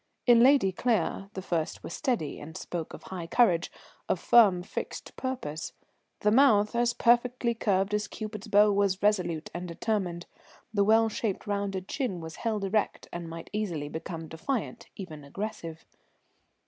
In Lady Claire the first were steady and spoke of high courage, of firm, fixed purpose; the mouth, as perfectly curved as Cupid's bow, was resolute and determined, the well shaped, rounded chin was held erect, and might easily become defiant, even aggressive.